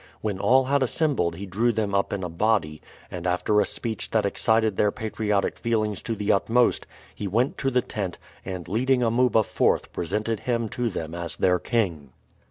When all had assembled he drew them up in a body; and after a speech that excited their patriotic feelings to the utmost, he went to the tent, and leading Amuba forth presented him to them as their king.